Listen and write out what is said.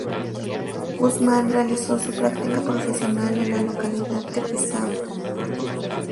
Guzmán realizó su práctica profesional en la localidad de Pisagua.